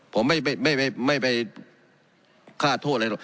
ผมไม่ไปไม่ไปไม่ไปฆ่าโทษอะไร